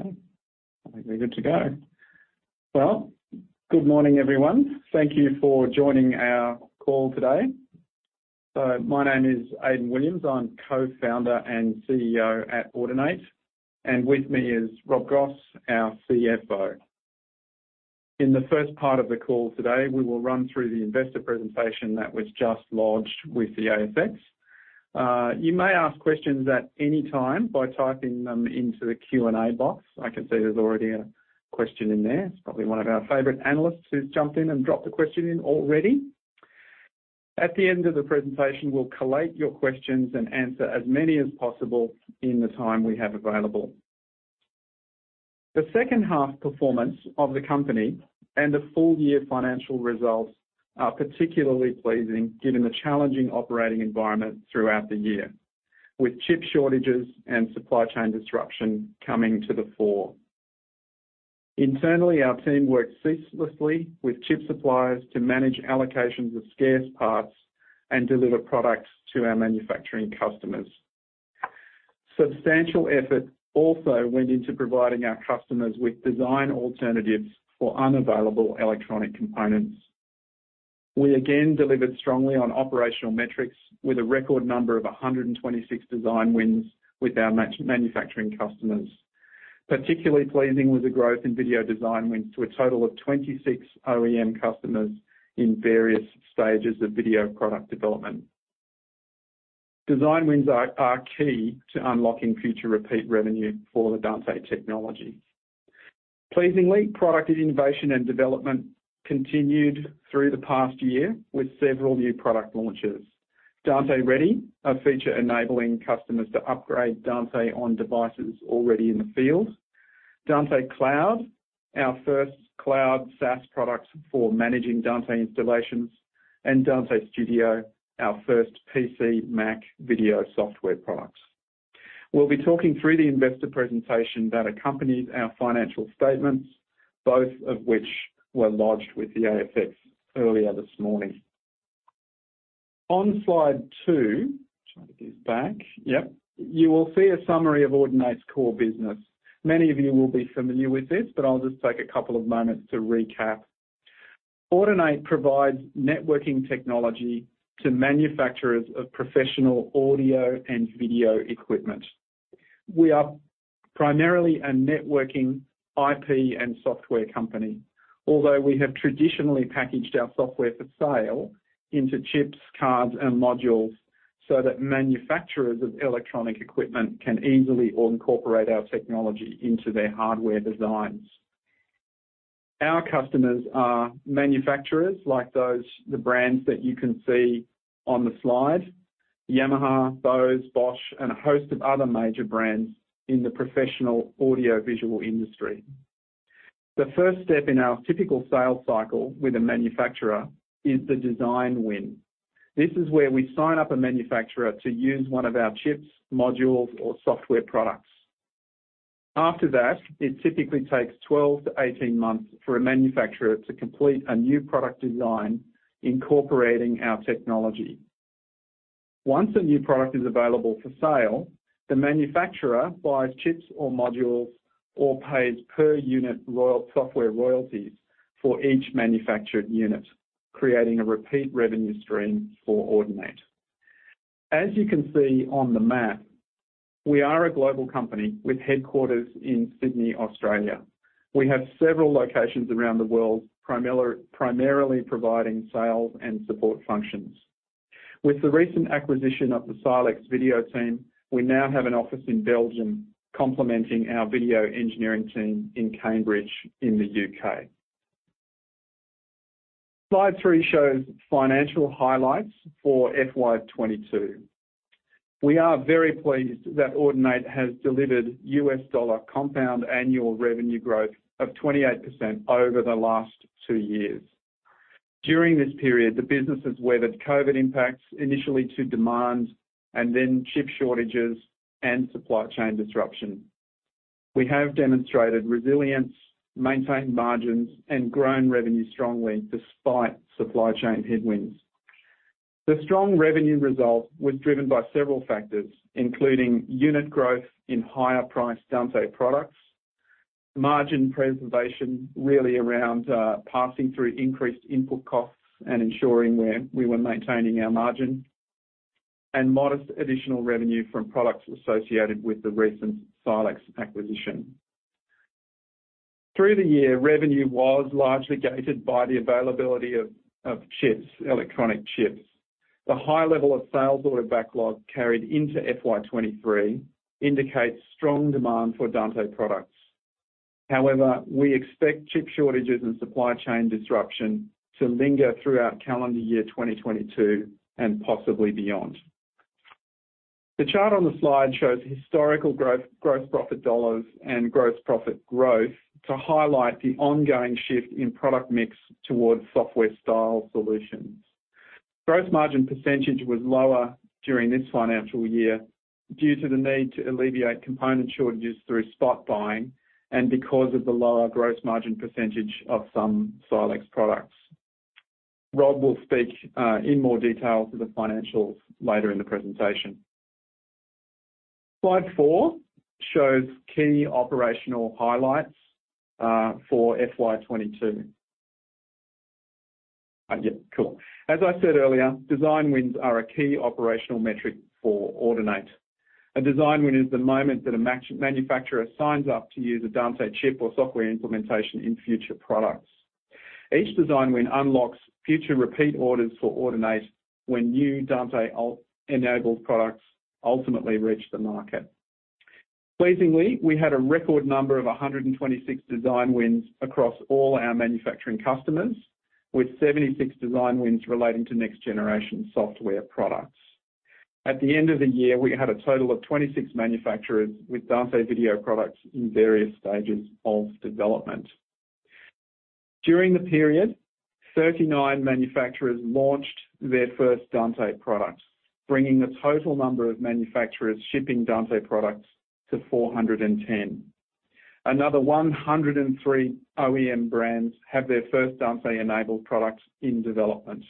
Okay. I think we're good to go. Well, good morning, everyone. Thank you for joining our call today. My name is Aidan Williams. I'm Co-founder and CEO at Audinate, and with me is Rob Goss, our CFO. In the first part of the call today, we will run through the investor presentation that was just lodged with the ASX. You may ask questions at any time by typing them into the Q&A box. I can see there's already a question in there. It's probably one of our favorite analysts who's jumped in and dropped a question in already. At the end of the presentation, we'll collate your questions and answer as many as possible in the time we have available. The second half performance of the company and the full year financial results are particularly pleasing given the challenging operating environment throughout the year, with chip shortages and supply chain disruption coming to the fore. Internally, our team worked ceaselessly with chip suppliers to manage allocations of scarce parts and deliver products to our manufacturing customers. Substantial effort also went into providing our customers with design alternatives for unavailable electronic components. We again delivered strongly on operational metrics with a record number of 126 design wins with our manufacturing customers. Particularly pleasing was the growth in video design wins to a total of 26 OEM customers in various stages of video product development. Design wins are key to unlocking future repeat revenue for the Dante technology. Pleasingly, product innovation and development continued through the past year with several new product launches. Dante Ready, a feature enabling customers to upgrade Dante on devices already in the field. Dante Cloud, our first cloud SaaS products for managing Dante installations, and Dante Studio, our first PC, Mac video software products. We'll be talking through the investor presentation that accompanied our financial statements, both of which were lodged with the ASX earlier this morning. On slide two, you will see a summary of Audinate's core business. Many of you will be familiar with this, but I'll just take a couple of moments to recap. Audinate provides networking technology to manufacturers of professional audio and video equipment. We are primarily a networking IP and software company, although we have traditionally packaged our software for sale into chips, cards and modules so that manufacturers of electronic equipment can easily incorporate our technology into their hardware designs. Our customers are manufacturers like those, the brands that you can see on the slide, Yamaha, Bose, Bosch, and a host of other major brands in the professional audio visual industry. The first step in our typical sales cycle with a manufacturer is the design win. This is where we sign up a manufacturer to use one of our chips, modules, or software products. After that, it typically takes 12-18 months for a manufacturer to complete a new product design incorporating our technology. Once a new product is available for sale, the manufacturer buys chips or modules or pays per unit software royalties for each manufactured unit, creating a repeat revenue stream for Audinate. As you can see on the map, we are a global company with headquarters in Sydney, Australia. We have several locations around the world, primarily providing sales and support functions. With the recent acquisition of the Silex video team, we now have an office in Belgium, complementing our video engineering team in Cambridge in the U.K. Slide three shows financial highlights for FY 2022. We are very pleased that Audinate has delivered U.S. dollar compound annual revenue growth of 28% over the last two years. During this period, the business has weathered COVID impacts initially to demand and then chip shortages and supply chain disruption. We have demonstrated resilience, maintained margins, and grown revenue strongly despite supply chain headwinds. The strong revenue result was driven by several factors, including unit growth in higher price Dante products, margin preservation, really around passing through increased input costs and ensuring we were maintaining our margin, and modest additional revenue from products associated with the recent Silex acquisition. Through the year, revenue was largely gated by the availability of chips, electronic chips. The high level of sales order backlog carried into FY 2023 indicates strong demand for Dante products. However, we expect chip shortages and supply chain disruption to linger throughout calendar year 2022 and possibly beyond. The chart on the slide shows historical growth, gross profit dollars and gross profit growth to highlight the ongoing shift in product mix towards software style solutions. Gross margin percentage was lower during this financial year due to the need to alleviate component shortages through spot buying and because of the lower gross margin percentage of some Silex products. Rob will speak in more detail to the financials later in the presentation. Slide four shows key operational highlights for FY 2022. As I said earlier, design wins are a key operational metric for Audinate. A design win is the moment that a manufacturer signs up to use a Dante chip or software implementation in future products. Each design win unlocks future repeat orders for Audinate when new Dante Ultimo-enabled products ultimately reach the market. Pleasingly, we had a record number of 126 design wins across all our manufacturing customers, with 76 design wins relating to next generation software products. At the end of the year, we had a total of 26 manufacturers with Dante video products in various stages of development. During the period, 39 manufacturers launched their first Dante product, bringing the total number of manufacturers shipping Dante products to 410. Another 103 OEM brands have their first Dante-enabled product in development.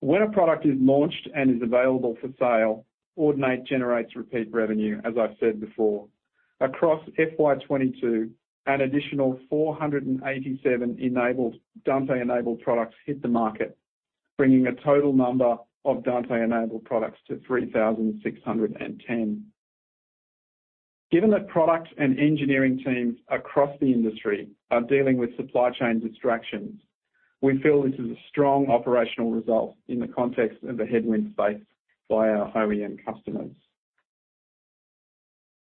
When a product is launched and is available for sale, Audinate generates repeat revenue, as I said before. Across FY 2022, an additional 487 Dante-enabled products hit the market, bringing a total number of Dante-enabled products to 3,610. Given that product and engineering teams across the industry are dealing with supply chain distractions, we feel this is a strong operational result in the context of the headwinds faced by our OEM customers.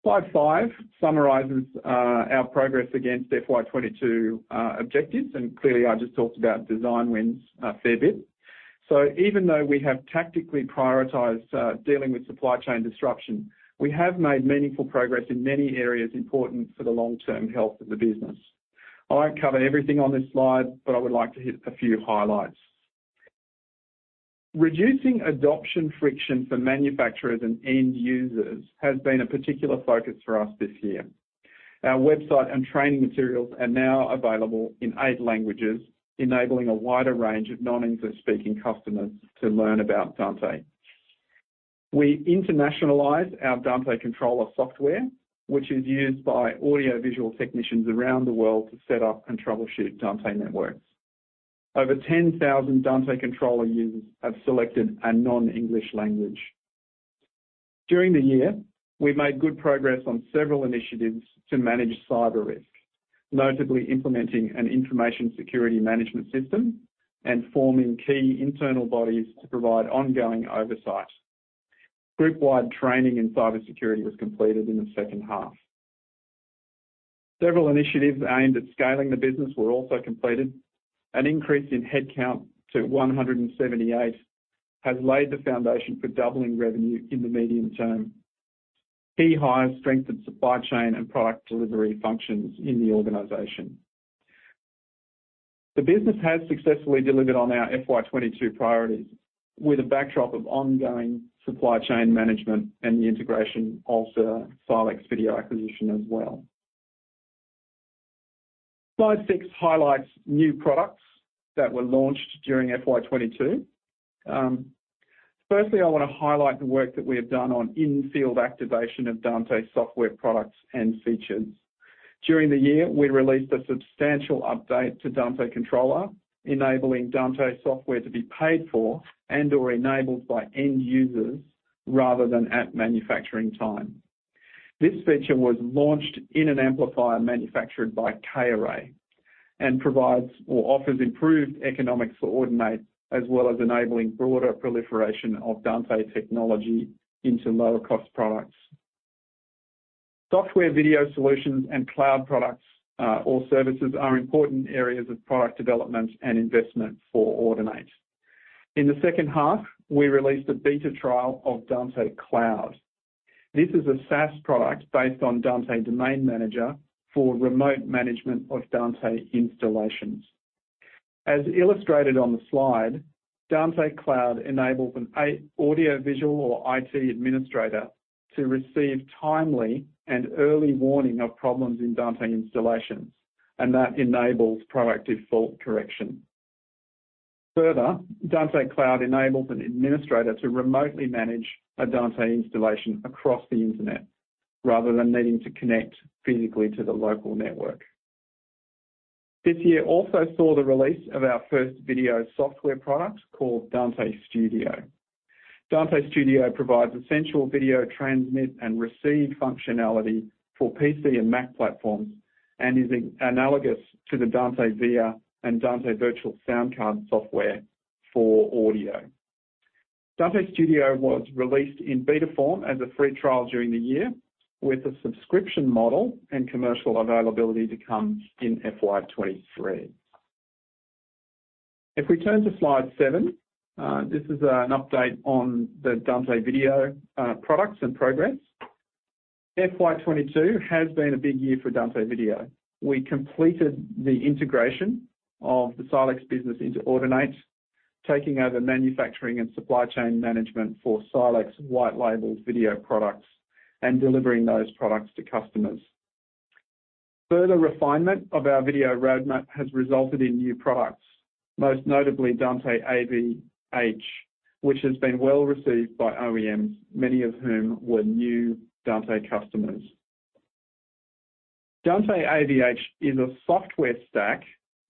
Slide five summarizes our progress against FY 2022 objectives, and clearly, I just talked about design wins a fair bit. Even though we have tactically prioritized dealing with supply chain disruption, we have made meaningful progress in many areas important for the long-term health of the business. I won't cover everything on this slide, but I would like to hit a few highlights. Reducing adoption friction for manufacturers and end users has been a particular focus for us this year. Our website and training materials are now available in eight languages, enabling a wider range of non-English speaking customers to learn about Dante. We internationalized our Dante Controller software, which is used by audio visual technicians around the world to set up and troubleshoot Dante networks. Over 10,000 Dante Controller users have selected a non-English language. During the year, we made good progress on several initiatives to manage cyber risk, notably implementing an information security management system and forming key internal bodies to provide ongoing oversight. Group-wide training in cybersecurity was completed in the second half. Several initiatives aimed at scaling the business were also completed. An increase in headcount to 178 has laid the foundation for doubling revenue in the medium term. Key hires strengthened supply chain and product delivery functions in the organization. The business has successfully delivered on our FY 2022 priorities with a backdrop of ongoing supply chain management and the integration of the Silex video acquisition as well. Slide six highlights new products that were launched during FY 2022. Firstly, I wanna highlight the work that we have done on in-field activation of Dante software products and features. During the year, we released a substantial update to Dante Controller, enabling Dante software to be paid for and or enabled by end users rather than at manufacturing time. This feature was launched in an amplifier manufactured by K-array and provides or offers improved economics for Audinate as well as enabling broader proliferation of Dante technology into lower cost products. Software video solutions and cloud products or services are important areas of product development and investment for Audinate. In the second half, we released a beta trial of Dante Cloud. This is a SaaS product based on Dante Domain Manager for remote management of Dante installations. As illustrated on the slide, Dante Cloud enables an audio visual or IT administrator to receive timely and early warning of problems in Dante installations, and that enables proactive fault correction. Further, Dante Cloud enables an administrator to remotely manage a Dante installation across the internet rather than needing to connect physically to the local network. This year also saw the release of our first video software product called Dante Studio. Dante Studio provides essential video transmit and receive functionality for PC and Mac platforms and is analogous to the Dante Via and Dante Virtual Soundcard software for audio. Dante Studio was released in beta form as a free trial during the year, with a subscription model and commercial availability to come in FY 2023. If we turn to slide seven, this is an update on the Dante video products and progress. FY 2022 has been a big year for Dante Video. We completed the integration of the Silex business into Audinate, taking over manufacturing and supply chain management for Silex white label video products and delivering those products to customers. Further refinement of our video roadmap has resulted in new products, most notably Dante AV-H, which has been well received by OEMs, many of whom were new Dante customers. Dante AV-H is a software stack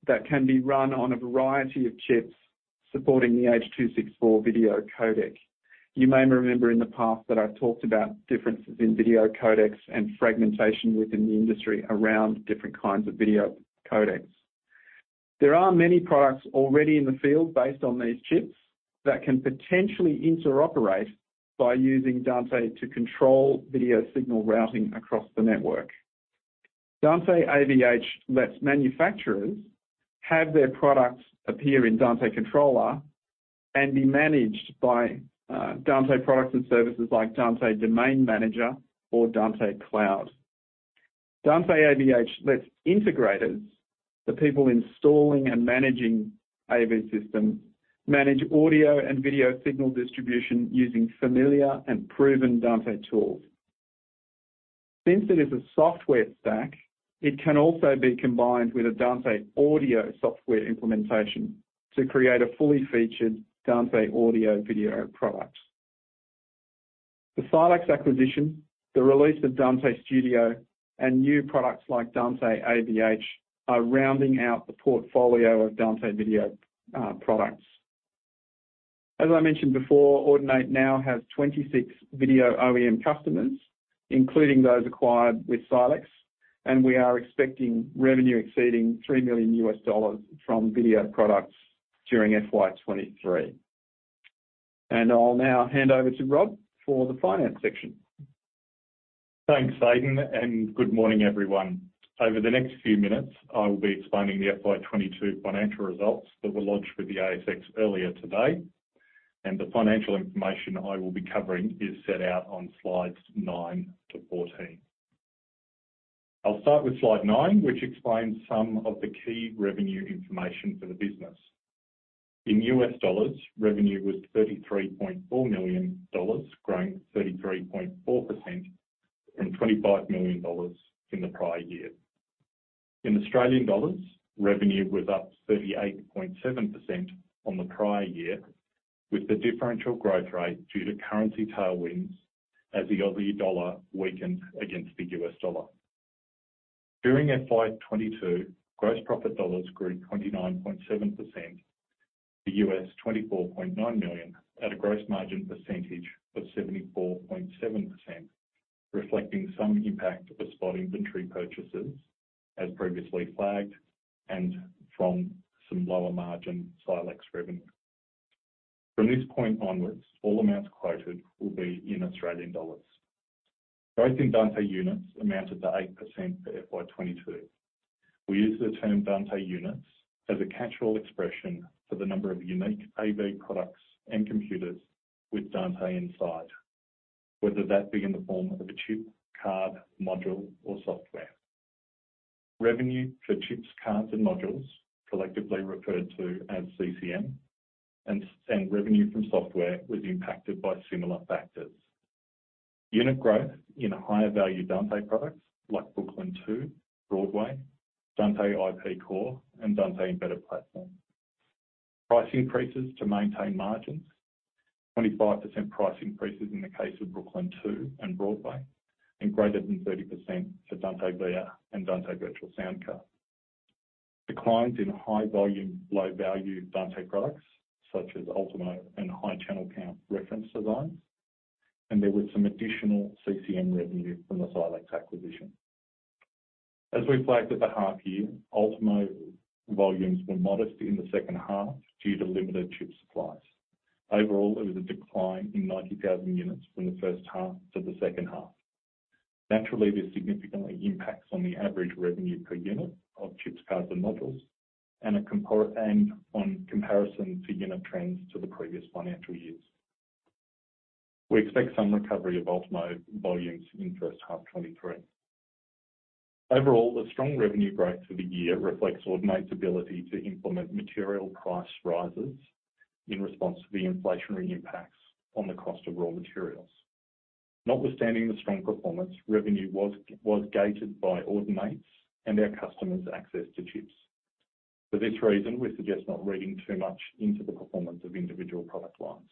that can be run on a variety of chips supporting the H.264 video codec. You may remember in the past that I've talked about differences in video codecs and fragmentation within the industry around different kinds of video codecs. There are many products already in the field based on these chips that can potentially interoperate by using Dante to control video signal routing across the network. Dante AV-H lets manufacturers have their products appear in Dante Controller and be managed by Dante products and services like Dante Domain Manager or Dante Cloud. Dante AV-H lets integrators, the people installing and managing AV systems, manage audio and video signal distribution using familiar and proven Dante tools. Since it is a software stack, it can also be combined with a Dante audio software implementation to create a fully featured Dante audio video product. The Silex acquisition, the release of Dante Studio, and new products like Dante AV-H are rounding out the portfolio of Dante video products. As I mentioned before, Audinate now has 26 video OEM customers, including those acquired with Silex, and we are expecting revenue exceeding $3 million from video products during FY 2023. And I'll now hand over to Rob for the finance section. Thanks, Aidan, and good morning, everyone. Over the next few minutes, I will be explaining the FY 2022 financial results that were lodged with the ASX earlier today, and the financial information I will be covering is set out on slides nine to 14. I'll start with slide nine, which explains some of the key revenue information for the business. In U.S. dollars, revenue was $33.4 million growing 33.4% from $25 million in the prior year. In Australian dollars, revenue was up 38.7% on the prior year, with the differential growth rate due to currency tailwinds as the Aussie dollar weakened against the U.S. dollar. During FY 2022, gross profit dollars grew 29.7% to $24.9 million at a gross margin percentage of 74.7%, reflecting some impact of spot inventory purchases as previously flagged and from some lower margin Silex revenue. From this point onwards, all amounts quoted will be in Australian dollars. Growth in Dante units amounted to 8% for FY 2022. We use the term Dante units as a catch-all expression for the number of unique AV products and computers with Dante inside, whether that be in the form of a chip, card, module or software. Revenue for chips, cards, and modules, collectively referred to as CCM, and revenue from software was impacted by similar factors. Unit growth in higher value Dante products like Brooklyn 2, Dante Broadway, Dante IP Core, and Dante Embedded Platform. Price increases to maintain margins. 25% price increases in the case of Brooklyn 2 and Broadway, and greater than 30% for Dante Via and Dante Virtual Soundcard. Declines in high volume, low value Dante products such as Ultimo and high channel count reference designs, and there was some additional CCM revenue from the Silex acquisition. As we flagged at the half year, Ultimo volumes were modest in the second half due to limited chip supplies. Overall, there was a decline in 90,000 units from the first half to the second half. Naturally, this significantly impacts on the average revenue per unit of chips, cards, and modules, and on comparison to unit trends to the previous financial years. We expect some recovery of Ultimo volumes in first half 2023. Overall, the strong revenue growth for the year reflects Audinate's ability to implement material price rises in response to the inflationary impacts on the cost of raw materials. Notwithstanding the strong performance, revenue was gated by Audinate's and our customers' access to chips. For this reason, we suggest not reading too much into the performance of individual product lines.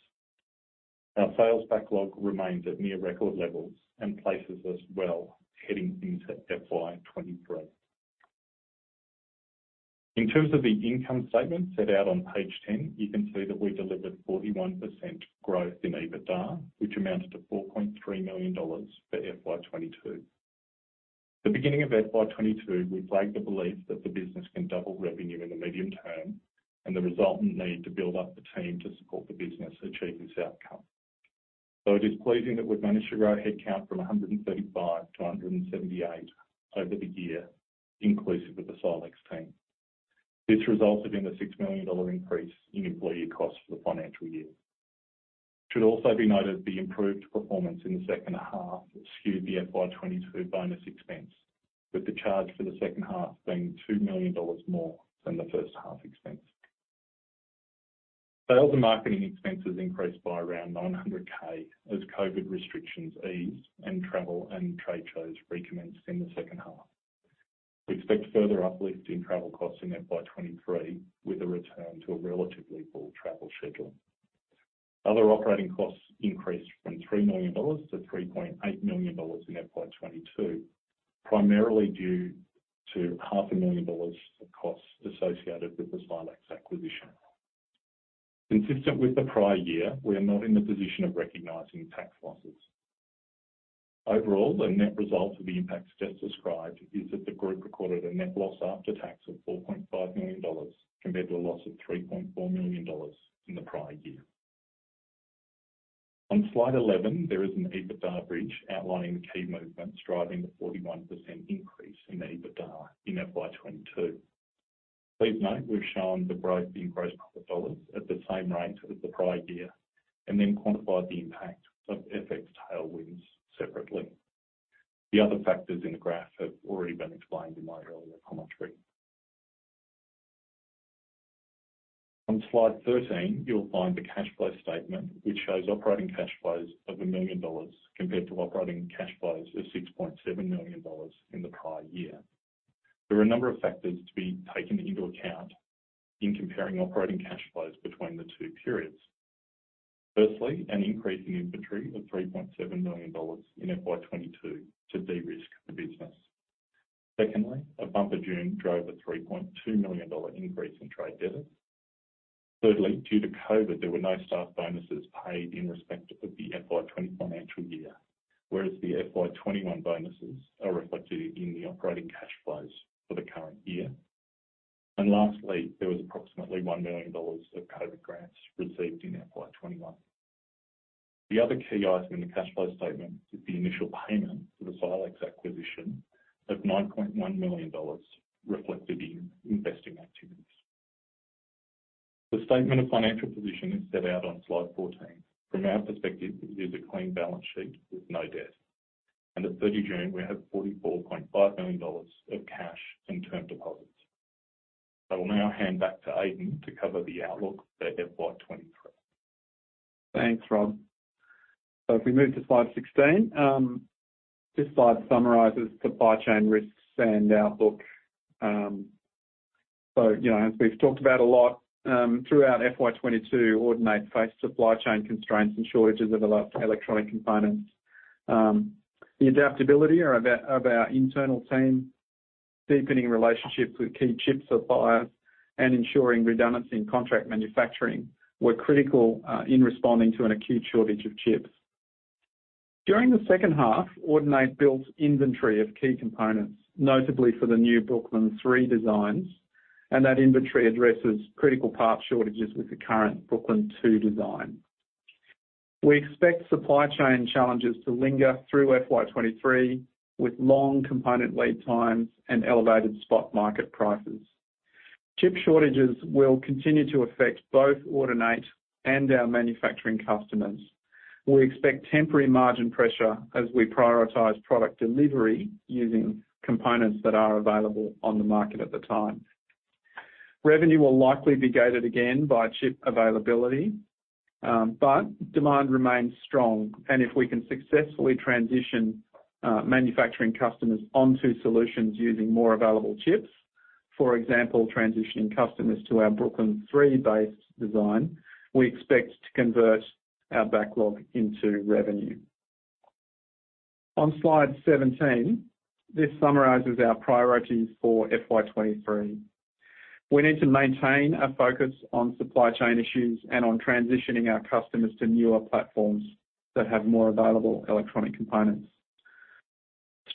Our sales backlog remains at near record levels and places us well heading into FY 2023. In terms of the income statement set out on page 10, you can see that we delivered 41% growth in EBITDA, which amounted to 4.3 million dollars for FY 2022. At the beginning of FY 2022, we flagged the belief that the business can double revenue in the medium term and the resultant need to build up the team to support the business achieve this outcome. It is pleasing that we've managed to grow headcount from 135 to 178 over the year, inclusive of the Silex team. This resulted in the 6 million dollar increase in employee costs for the financial year. It should also be noted the improved performance in the second half skewed the FY 2022 bonus expense, with the charge for the second half being 2 million dollars more than the first half expense. Sales and marketing expenses increased by around 900K as COVID restrictions eased and travel and trade shows recommenced in the second half. We expect further uplift in travel costs in FY 2023, with a return to a relatively full travel schedule. Other operating costs increased from 3 million dollars to 3.8 million dollars in FY 2022, primarily due to half a million AUD of costs associated with the Silex acquisition. Consistent with the prior year, we are not in the position of recognizing tax losses. Overall, the net result of the impacts just described is that the group recorded a net loss after tax of 4.5 million dollars compared to a loss of 3.4 million dollars in the prior year. On slide 11, there is an EBITDA bridge outlining the key movements driving the 41% increase in the EBITDA in FY 2022. Please note we've shown the growth in gross profit dollars at the same rate as the prior year and then quantified the impact of FX tailwinds separately. The other factors in the graph have already been explained in my earlier commentary. On slide 13, you'll find the cash flow statement which shows operating cash flows of 1 million dollars compared to operating cash flows of 6.7 million dollars in the prior year. There are a number of factors to be taken into account in comparing operating cash flows between the two periods. Firstly, an increase in inventory of 3.7 million dollars in FY 2022 to de-risk the business. Secondly, a bumper June drove a 3.2 million dollar increase in trade debtors. Thirdly, due to COVID, there were no staff bonuses paid in respect of the FY 2021 financial year, whereas the FY 2021 bonuses are reflected in the operating cash flows for the current year. Lastly, there was approximately 1 million dollars of COVID grants received in FY 2021. The other key item in the cash flow statement is the initial payment for the Silex acquisition of 9.1 million dollars reflected in investing activities. The statement of financial position is set out on slide 14. From our perspective, it is a clean balance sheet with no debt, and at 30 June, we have 44.5 million dollars of cash and term deposits. I will now hand back to Aidan to cover the outlook for FY 2023. Thanks, Rob. If we move to slide 16, this slide summarizes supply chain risks and outlook. You know, as we've talked about a lot, throughout FY 2022, Audinate faced supply chain constraints and shortages of electronic components. The adaptability of our internal team, deepening relationships with key chip suppliers and ensuring redundancy in contract manufacturing were critical in responding to an acute shortage of chips. During the second half, Audinate built inventory of key components, notably for the new Brooklyn 3 designs, and that inventory addresses critical part shortages with the current Brooklyn 2 design. We expect supply chain challenges to linger through FY 2023, with long component lead times and elevated spot market prices. Chip shortages will continue to affect both Audinate and our manufacturing customers. We expect temporary margin pressure as we prioritize product delivery using components that are available on the market at the time. Revenue will likely be gated again by chip availability, but demand remains strong. If we can successfully transition manufacturing customers onto solutions using more available chips, for example, transitioning customers to our Brooklyn 3-based design, we expect to convert our backlog into revenue. On slide 17, this summarizes our priorities for FY 2023. We need to maintain a focus on supply chain issues and on transitioning our customers to newer platforms that have more available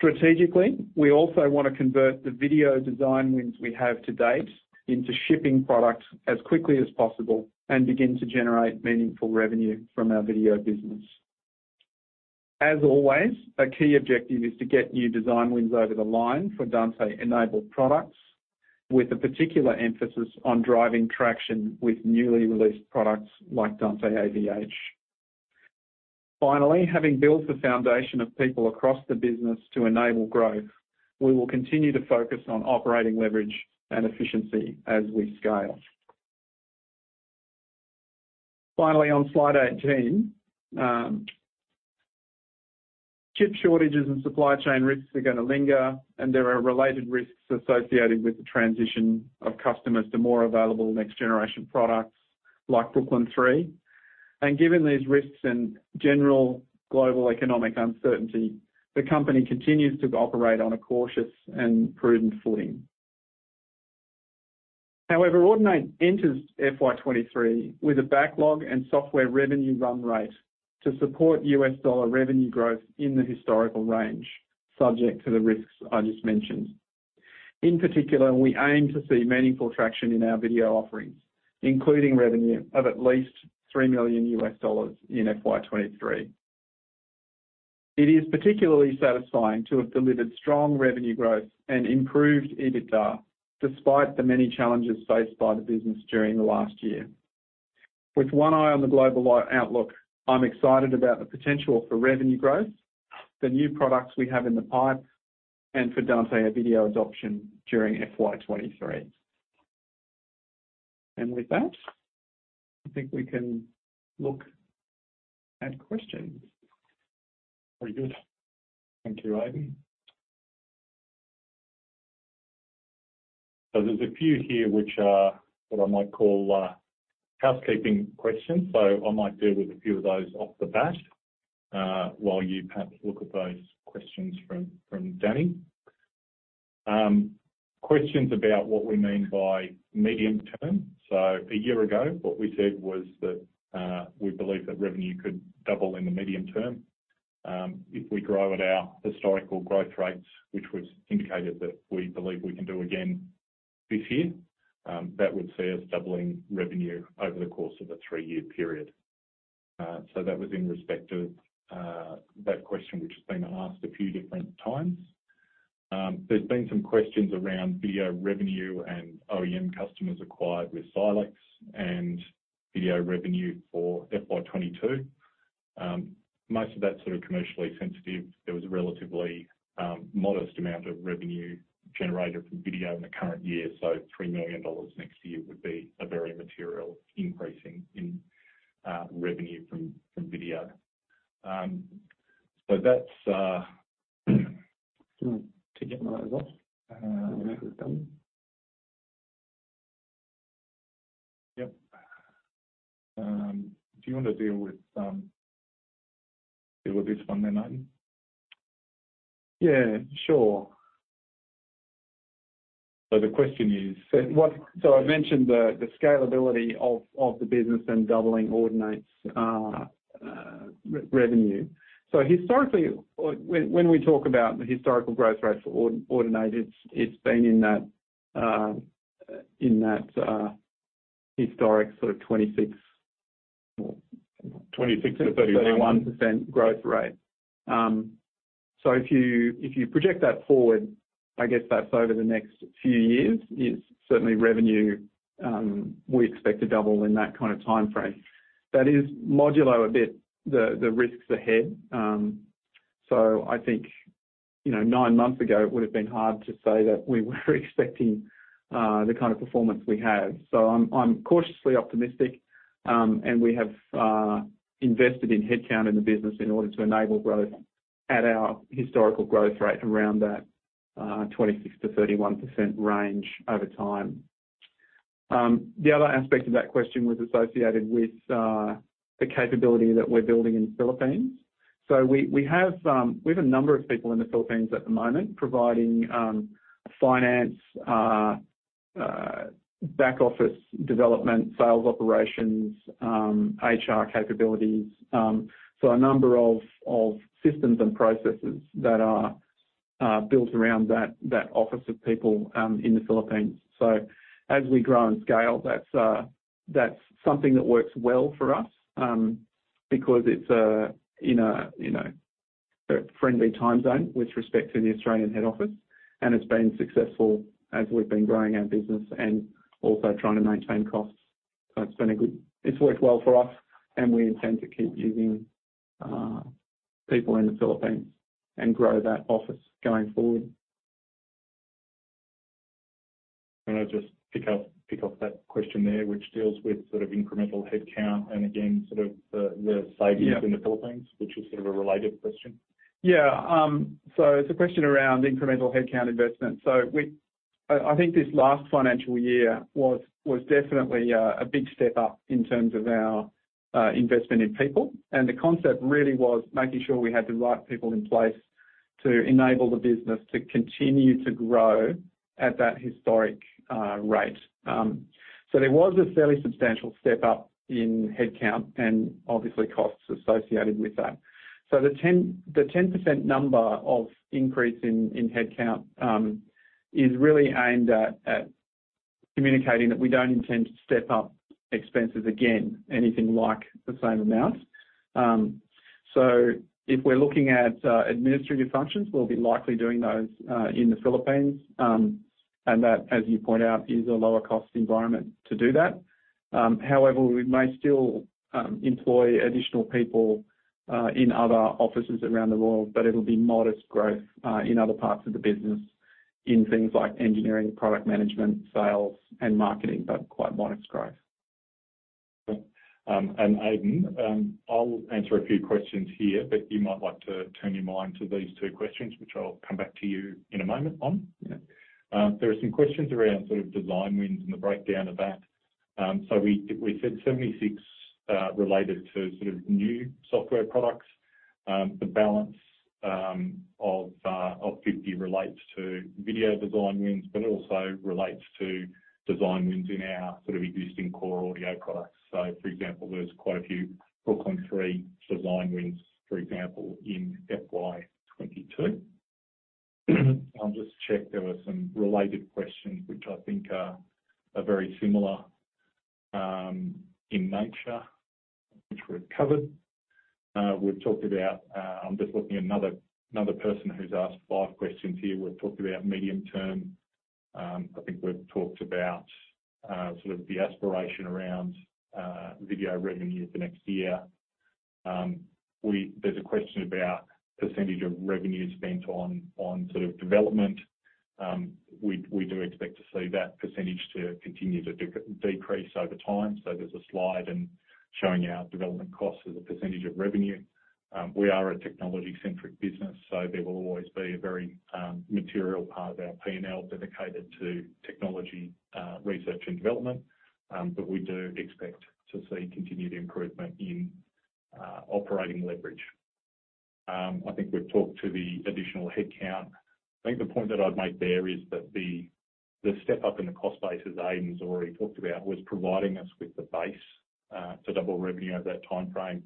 electronic components. Strategically, we also want to convert the video design wins we have to date into shipping products as quickly as possible and begin to generate meaningful revenue from our video business. As always, a key objective is to get new design wins over the line for Dante-enabled products, with a particular emphasis on driving traction with newly released products like Dante AV-H. Finally, having built the foundation of people across the business to enable growth, we will continue to focus on operating leverage and efficiency as we scale. Finally, on slide 18, chip shortages and supply chain risks are going to linger and there are related risks associated with the transition of customers to more available next generation products like Brooklyn 3. Given these risks and general global economic uncertainty, the company continues to operate on a cautious and prudent footing. However, Audinate enters FY 2023 with a backlog and software revenue run rate to support USD revenue growth in the historical range, subject to the risks I just mentioned. In particular, we aim to see meaningful traction in our video offerings, including revenue of at least $3 million in FY 2023. It is particularly satisfying to have delivered strong revenue growth and improved EBITDA despite the many challenges faced by the business during the last year. With one eye on the global outlook, I'm excited about the potential for revenue growth, the new products we have in the pipeline and for Dante, video adoption during FY 2023. With that, I think we can look at questions. Very good. Thank you, Aidan. There's a few here which are, what I might call, housekeeping questions. I might deal with a few of those off the bat, while you perhaps look at those questions from Danny. Questions about what we mean by medium term. A year ago, what we said was that we believe that revenue could double in the medium term, if we grow at our historical growth rates, which we've indicated that we believe we can do again this year. That would see us doubling revenue over the course of a three-year period. So that was in respect to that question which has been asked a few different times. There's been some questions around video revenue and OEM customers acquired with Silex and video revenue for FY 2022. Most of that's sort of commercially sensitive. There was a relatively modest amount of revenue generated from video in the current year, so 3 million dollars next year would be a very material increase in revenue from video. Do you want me to get my results? Yep. Do you want to deal with this one then, Aidan? Yeah, sure. The question is. I mentioned the scalability of the business and doubling Audinate's revenue. Historically, or when we talk about the historical growth rates for Audinate, it's been in that historic sort of 26 or- 26-31 31% growth rate. If you project that forward, I guess that's over the next few years is certainly revenue we expect to double in that kind of timeframe. That is more a bit, the risks ahead. I think, you know, nine months ago it would have been hard to say that we were expecting the kind of performance we have. I'm cautiously optimistic, and we have invested in headcount in the business in order to enable growth at our historical growth rate around that 26%-31% range over time. The other aspect of that question was associated with the capability that we're building in the Philippines. We have a number of people in the Philippines at the moment providing finance, back office development, sales operations, HR capabilities. A number of systems and processes that are built around that office of people in the Philippines. As we grow and scale, that's something that works well for us because it's in a, you know, a friendly time zone with respect to the Australian head office, and it's been successful as we've been growing our business and also trying to maintain costs. It's worked well for us and we intend to keep using people in the Philippines and grow that office going forward. Can I just pick up that question there, which deals with sort of incremental headcount and again, sort of the savings? Yeah. in the Philippines, which is sort of a related question. Yeah. It's a question around incremental headcount investment. I think this last financial year was definitely a big step up in terms of our investment in people. The concept really was making sure we had the right people in place to enable the business to continue to grow at that historic rate. There was a fairly substantial step up in headcount and obviously costs associated with that. The 10% number of increase in headcount is really aimed at communicating that we don't intend to step up expenses again, anything like the same amount. If we're looking at administrative functions, we'll be likely doing those in the Philippines. That, as you point out, is a lower cost environment to do that. However, we may still employ additional people in other offices around the world, but it'll be modest growth in other parts of the business in things like engineering, product management, sales and marketing, but quite modest growth. Aidan, I'll answer a few questions here, but you might like to turn your mind to these two questions, which I'll come back to you in a moment on. Yeah. There are some questions around sort of design wins and the breakdown of that. We said 76 related to sort of new software products. The balance of 50 relates to video design wins, but it also relates to design wins in our sort of existing core audio products. For example, there was quite a few Brooklyn 3 design wins, for example, in FY 2022. I'll just check. There were some related questions which I think are very similar in nature, which we've covered. We've talked about. I'm just looking at another person who's asked five questions here. We've talked about medium term. I think we've talked about sort of the aspiration around video revenue for next year. There's a question about percentage of revenue spent on sort of development. We do expect to see that percentage to continue to decrease over time. There's a slide in showing our development costs as a percentage of revenue. We are a technology-centric business, so there will always be a very material part of our P&L dedicated to technology research and development. We do expect to see continued improvement in operating leverage. I think we've talked to the additional headcount. I think the point that I'd make there is that the step-up in the cost base, as Aidan's already talked about, was providing us with the base to double revenue over that time frame.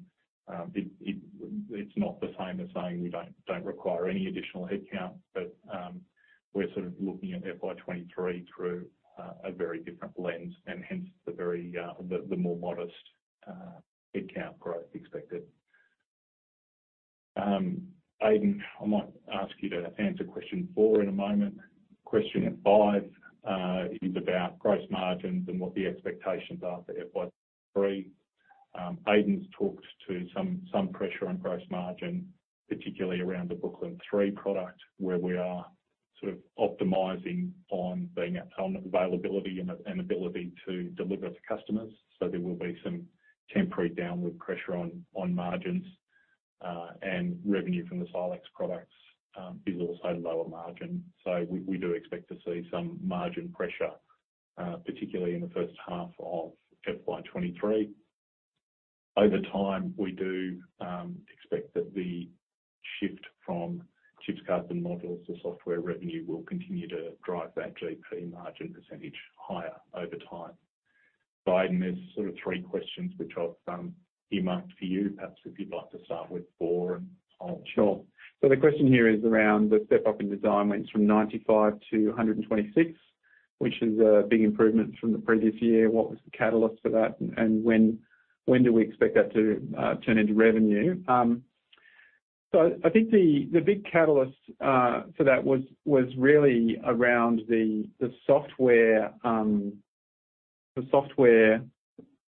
It's not the same as saying we don't require any additional headcount. We're sort of looking at FY 2023 through a very different lens and hence the very modest headcount growth expected. Aidan, I might ask you to answer question four in a moment. Question five is about gross margins and what the expectations are for FY 2023. Aidan's talked about some pressure on gross margin, particularly around the Brooklyn 3 product, where we are sort of optimizing on being on availability and ability to deliver to customers. There will be some temporary downward pressure on margins, and revenue from the Silex products is also lower margin. We do expect to see some margin pressure, particularly in the first half of FY 2023. Over time, we do expect that the shift from chips, cards and modules to software revenue will continue to drive that GP margin percentage higher over time. Aidan, there's sort of three questions which I've earmarked for you. Perhaps if you'd like to start with four and I'll jump. Sure. The question here is around the step-up in design wins from 95 to 126, which is a big improvement from the previous year. What was the catalyst for that? When do we expect that to turn into revenue? I think the big catalyst for that was really around the software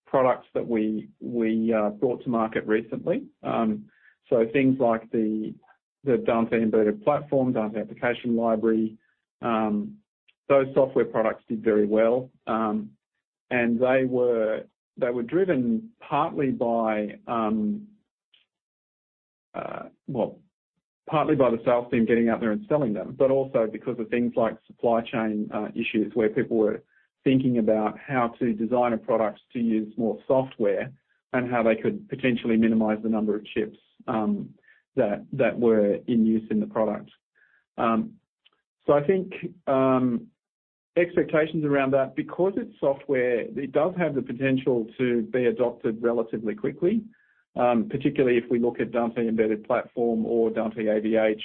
products that we brought to market recently. Things like the Dante Embedded Platform, Dante Application Library, those software products did very well. They were driven partly by the sales team getting out there and selling them, but also because of things like supply chain issues where people were thinking about how to design a product to use more software and how they could potentially minimize the number of chips that were in use in the product. I think expectations around that, because it's software, it does have the potential to be adopted relatively quickly, particularly if we look at Dante Embedded Platform or Dante AV-H.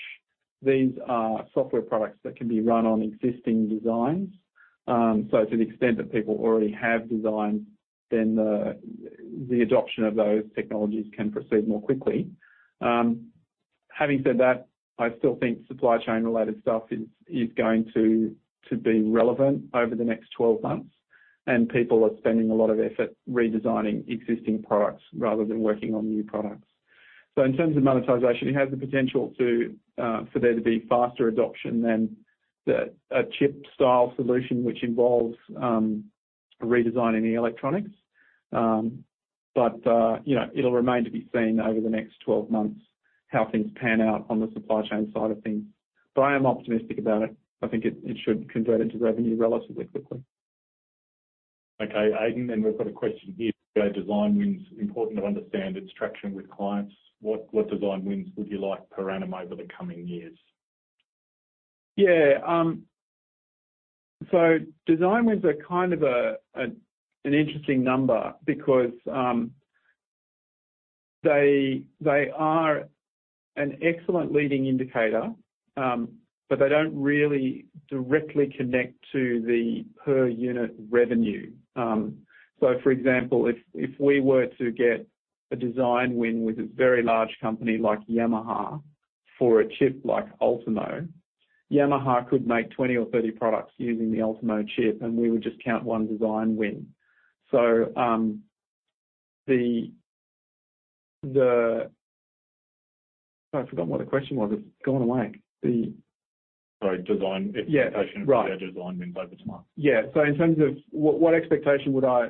These are software products that can be run on existing designs. To the extent that people already have designs, then the adoption of those technologies can proceed more quickly. Having said that, I still think supply chain related stuff is going to be relevant over the next 12 months, and people are spending a lot of effort redesigning existing products rather than working on new products. In terms of monetization, it has the potential to for there to be faster adoption than a chip-style solution which involves redesigning the electronics. You know, it'll remain to be seen over the next 12 months how things pan out on the supply chain side of things. I am optimistic about it. I think it should convert into revenue relatively quickly. Okay. Aidan, then we've got a question here. Design wins important to understand its traction with clients. What design wins would you like per annum over the coming years? Yeah. Design wins are kind of an interesting number because they are an excellent leading indicator, but they don't really directly connect to the per unit revenue. For example, if we were to get a design win with a very large company like Yamaha for a chip like Ultimo, Yamaha could make 20 or 30 products using the Ultimo chip, and we would just count one design win. Sorry, I've forgotten what the question was. It's gone away. Sorry. Yeah. Expectation for your design wins over the month. In terms of what expectation would I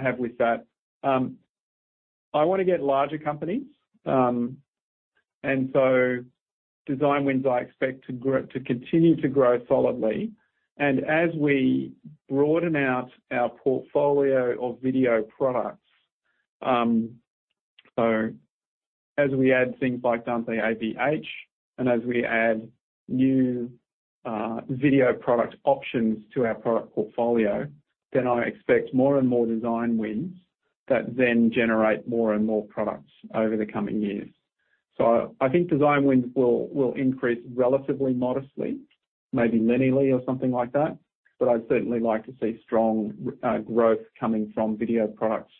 have with that, I want to get larger companies. Design wins I expect to continue to grow solidly. As we broaden out our portfolio of video products, as we add things like Dante AV-H, and as we add new video product options to our product portfolio, then I expect more and more design wins that then generate more and more products over the coming years. I think design wins will increase relatively modestly, maybe linearly or something like that. I'd certainly like to see strong growth coming from video products,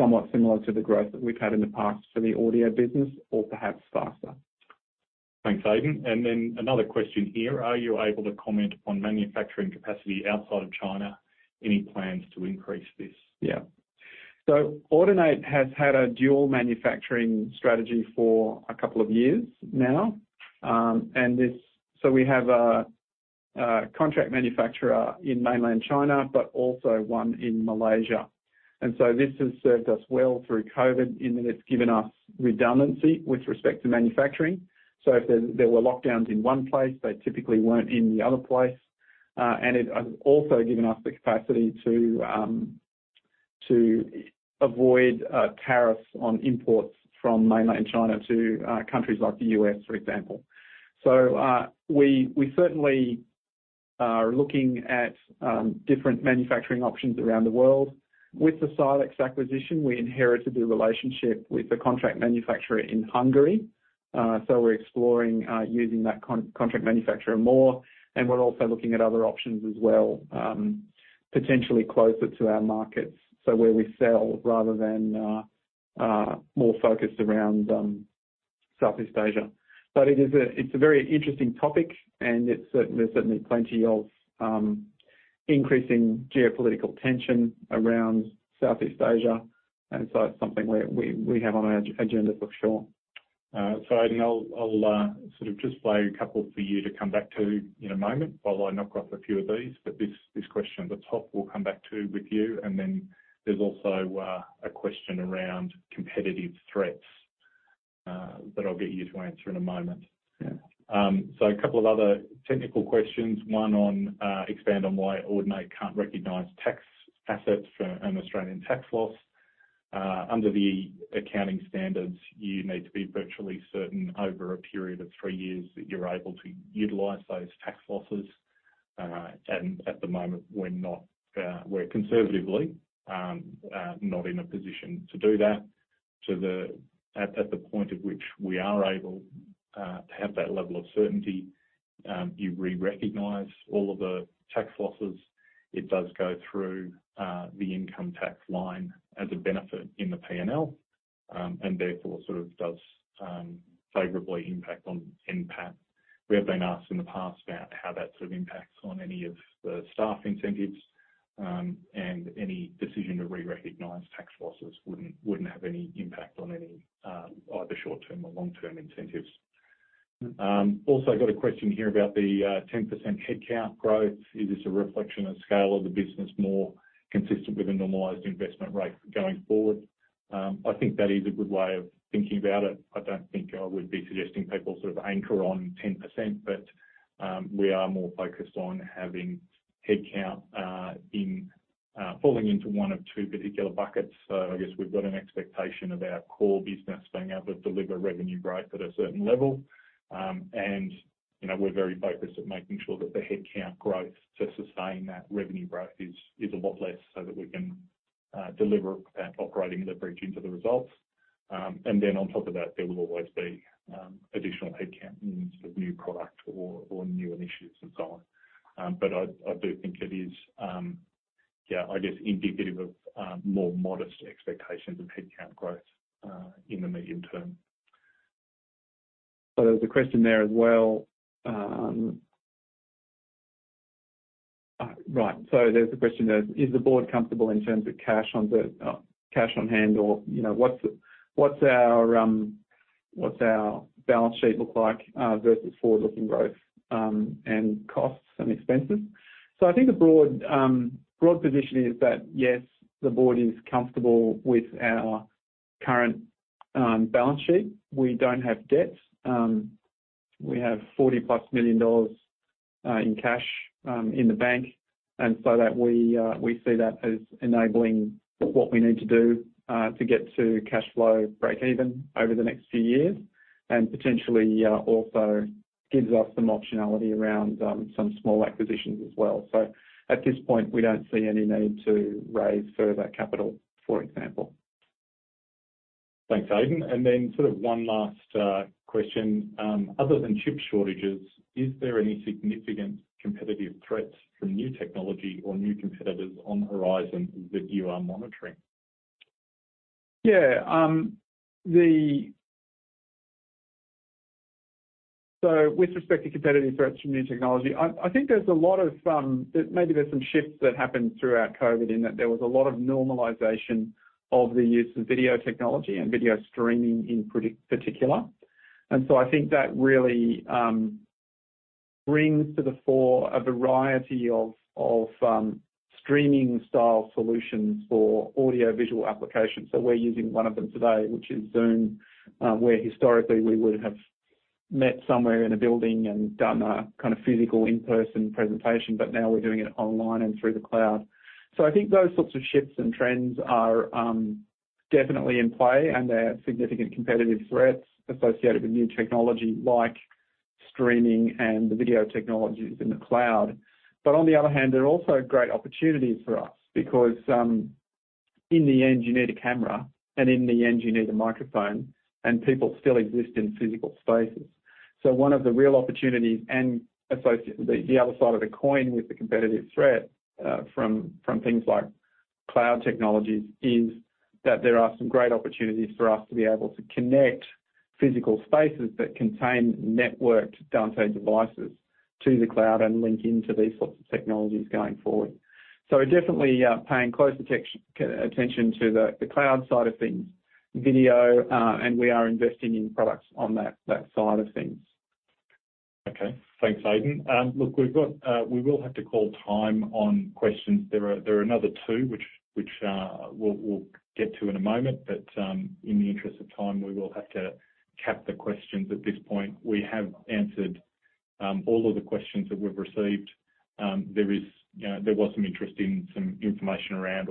somewhat similar to the growth that we've had in the past for the audio business or perhaps faster. Thanks, Aidan. Another question here: Are you able to comment on manufacturing capacity outside of China? Any plans to increase this? Audinate has had a dual manufacturing strategy for a couple of years now, and we have a contract manufacturer in mainland China, but also one in Malaysia. This has served us well through COVID in that it's given us redundancy with respect to manufacturing. If there were lockdowns in one place, they typically weren't in the other place. It has also given us the capacity to avoid tariffs on imports from mainland China to countries like the U.S., for example. We certainly are looking at different manufacturing options around the world. With the Silex acquisition, we inherited a relationship with the contract manufacturer in Hungary. We're exploring using that contract manufacturer more, and we're also looking at other options as well, potentially closer to our markets, where we sell rather than more focused around Southeast Asia. It is a very interesting topic, and there's certainly plenty of increasing geopolitical tension around Southeast Asia, and it's something we have on our agenda for sure. I know I'll sort of just play a couple for you to come back to in a moment while I knock off a few of these. This question at the top we'll come back to with you, and then there's also a question around competitive threats that I'll get you to answer in a moment. Yeah. A couple of other technical questions, one on expand on why Audinate can't recognize tax assets for an Australian tax loss. Under the accounting standards, you need to be virtually certain over a period of three years that you're able to utilize those tax losses. At the moment, we're not, we're conservatively not in a position to do that. At the point at which we are able to have that level of certainty, you re-recognize all of the tax losses. It does go through the income tax line as a benefit in the P&L, and therefore sort of does favorably impact on NPAT. We have been asked in the past about how that sort of impacts on any of the staff incentives, and any decision to re-recognize tax losses wouldn't have any impact on any, either short-term or long-term incentives. Also got a question here about the 10% headcount growth. Is this a reflection of scale of the business more consistent with a normalized investment rate going forward? I think that is a good way of thinking about it. I don't think I would be suggesting people sort of anchor on 10%, but we are more focused on having headcount falling into one of two particular buckets. I guess we've got an expectation of our core business being able to deliver revenue growth at a certain level. You know, we're very focused on making sure that the headcount growth to sustain that revenue growth is a lot less so that we can deliver that operating leverage into the results. Then on top of that, there will always be additional headcount in sort of new product or new initiatives and so on. I do think it is yeah, I guess indicative of more modest expectations of headcount growth in the medium term. There was a question there as well. Right. There's a question there. Is the board comfortable in terms of cash on hand or, you know, what's our balance sheet look like versus forward-looking growth and costs and expenses? I think the broad position is that, yes, the board is comfortable with our current balance sheet. We don't have debts. We have 40+ million dollars in cash in the bank, and so that we see that as enabling what we need to do to get to cash flow breakeven over the next few years and potentially also gives us some optionality around some small acquisitions as well. At this point, we don't see any need to raise further capital, for example. Thanks, Aidan. Sort of one last question. Other than chip shortages, is there any significant competitive threats from new technology or new competitors on the horizon that you are monitoring? Yeah. With respect to competitive threats from new technology, I think there's a lot of maybe there's some shifts that happened throughout COVID in that there was a lot of normalization of the use of video technology and video streaming in particular. I think that really brings to the fore a variety of streaming style solutions for audiovisual applications. We're using one of them today, which is Zoom, where historically we would have met somewhere in a building and done a kind of physical in-person presentation, but now we're doing it online and through the cloud. I think those sorts of shifts and trends are definitely in play and there are significant competitive threats associated with new technology like streaming and the video technologies in the cloud. On the other hand, they're also great opportunities for us because in the end you need a camera and in the end you need a microphone, and people still exist in physical spaces. One of the real opportunities and the other side of the coin with the competitive threat from things like cloud technologies is that there are some great opportunities for us to be able to connect physical spaces that contain networked Dante devices to the cloud and link into these sorts of technologies going forward. We're definitely paying close attention to the cloud side of things, video, and we are investing in products on that side of things. Okay. Thanks, Aidan. Look, we will have to call time on questions. There are another two which we'll get to in a moment, but in the interest of time, we will have to cap the questions at this point. We have answered all of the questions that we've received. There is, you know, there was some interest in some information around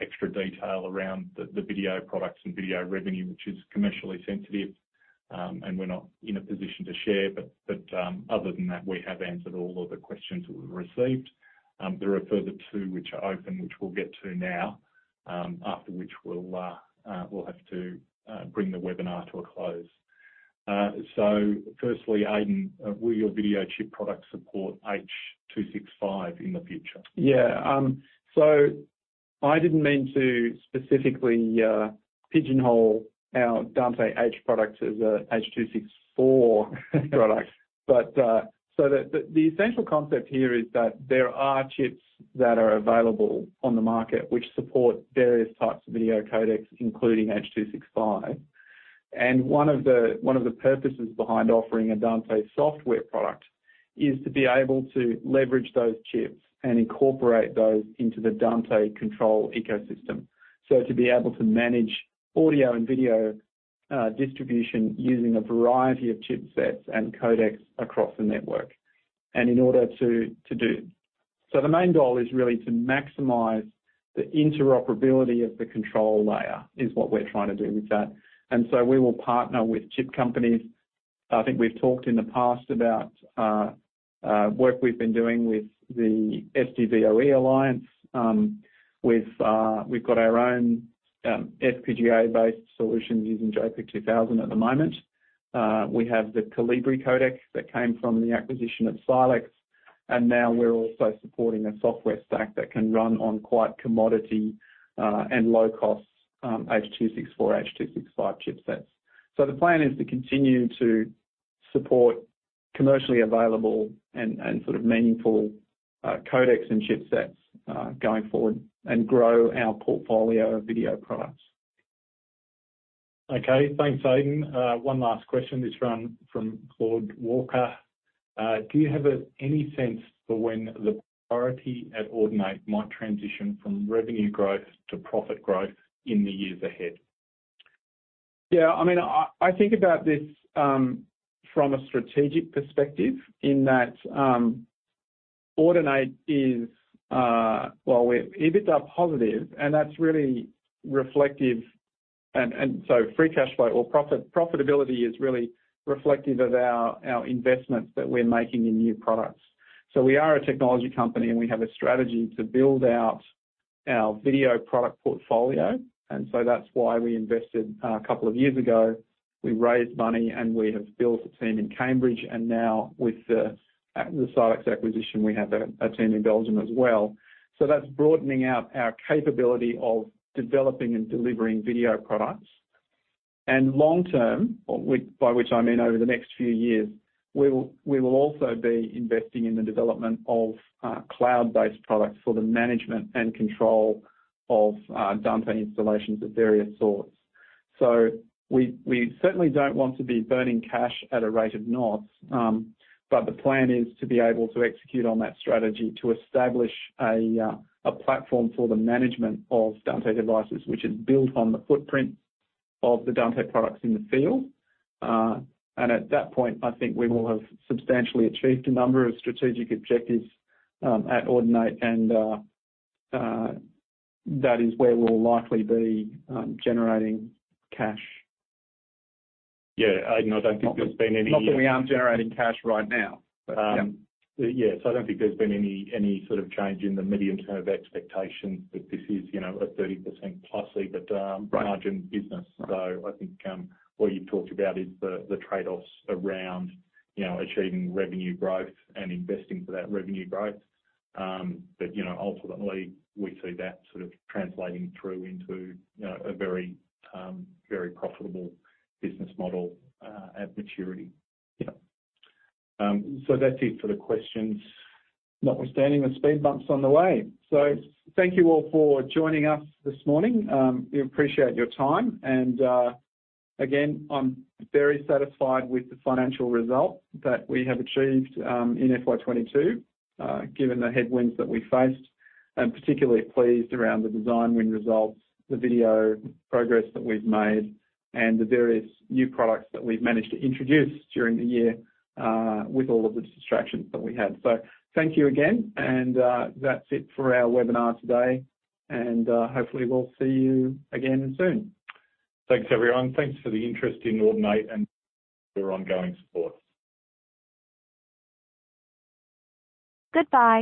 extra detail around the video products and video revenue, which is commercially sensitive, and we're not in a position to share. Other than that, we have answered all of the questions that we've received. There are a further two which are open, which we'll get to now, after which we'll have to bring the webinar to a close. Firstly, Aidan, will your video chip product support H.265 in the future? Yeah. I didn't mean to specifically pigeonhole our Dante AV-H product as a H.264 product. The essential concept here is that there are chips that are available on the market which support various types of video codecs, including H.265. One of the purposes behind offering a Dante software product is to be able to leverage those chips and incorporate those into the Dante control ecosystem. To be able to manage audio and video distribution using a variety of chipsets and codecs across the network. In order to do so, the main goal is really to maximize the interoperability ofthe control layer, which nis what we're trying to do with that. We will partner with chip companies. I think we've talked in the past about work we've been doing with the SDVoE Alliance. We've got our own FPGA-based solutions using JPEG 2000 at the moment. We have the Colibri codec that came from the acquisition of Silex Insight, and now we're also supporting a software stack that can run on quite commodity and low-cost H.264, H.265 chipsets. The plan is to continue to support commercially available and sort of meaningful codecs and chipsets going forward and grow our portfolio of video products. Okay. Thanks, Aidan. One last question. This is from Claude Walker. Do you have any sense for when the priority at Audinate might transition from revenue growth to profit growth in the years ahead? Yeah. I mean, I think about this from a strategic perspective in that, Audinate is, well, we're EBITDA positive, and that's really reflective and so free cash flow or profitability is really reflective of our investments that we're making in new products. We are a technology company, and we have a strategy to build out our video product portfolio. That's why we invested, a couple of years ago. We raised money, and we have built a team in Cambridge, and now with the Silex acquisition, we have a team in Belgium as well. That's broadening out our capability of developing and delivering video products. Long term, by which I mean over the next few years, we will also be investing in the development of cloud-based products for the management and control of Dante installations of various sorts. We certainly don't want to be burning cash at a rate of nought, but the plan is to be able to execute on that strategy to establish a platform for the management of Dante devices which is built on the footprint of the Dante products in the field. At that point, I think we will have substantially achieved a number of strategic objectives at Audinate, and that is where we'll likely be generating cash. Yeah. I don't think there's been any. Not that we aren't generating cash right now. Yeah. Yes. I don't think there's been any sort of change in the medium-term expectations that this is, you know, a 30%+ EBITDA- Right high-margin business. I think what you talked about is the trade-offs around, you know, achieving revenue growth and investing for that revenue growth. You know, ultimately, we see that sort of translating through into, you know, a very profitable business model at maturity. Yeah. That's it for the questions. Notwithstanding the speed bumps on the way. Thank you all for joining us this morning. We appreciate your time. Again, I'm very satisfied with the financial result that we have achieved in FY 2022, given the headwinds that we faced. I'm particularly pleased around the Design Win results, the video progress that we've made, and the various new products that we've managed to introduce during the year with all of the distractions that we had. Thank you again, and that's it for our webinar today. Hopefully we'll see you again soon. Thanks, everyone. Thanks for the interest in Audinate and your ongoing support. Goodbye.